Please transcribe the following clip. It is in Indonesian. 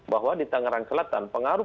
bahwa di tangerang selatan pengaruh